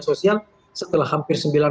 sosial setelah hampir sembilan